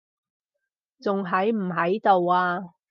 仲喺唔喺度啊？